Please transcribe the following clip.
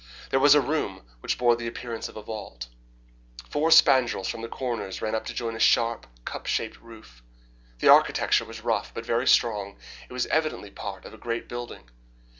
There was a room which bore the appearance of a vault. Four spandrels from the corners ran up to join a sharp, cup shaped roof. The architecture was rough, but very strong. It was evidently part of a great building.